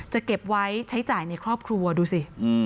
เก็บไว้ใช้จ่ายในครอบครัวดูสิ